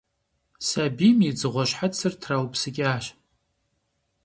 Сабийм и «дзыгъуэ» щхьэцыр траупсыкӀащ.